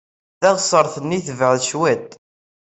Taɣsert-nni tebɛed cwiṭ.